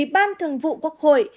ủy ban thường vụ quốc hội